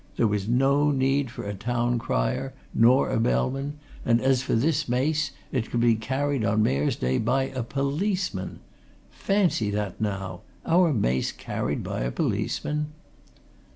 there was no need for a town crier, nor a bellman, and, as for this mace, it could be carried on Mayor's Day by a policeman! Fancy that, now our mace carried by a policeman!"